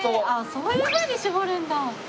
そういうふうに絞るんだ。